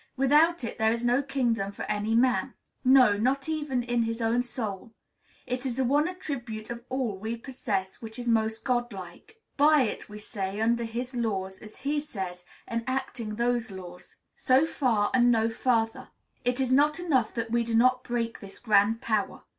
Without it there is no kingdom for any man, no, not even in his own soul. It is the one attribute of all we possess which is most God like. By it, we say, under his laws, as he says, enacting those laws, "So far and no further." It is not enough that we do not "break" this grand power.